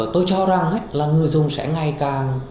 tôi cho rằng là người dùng sẽ ngày càng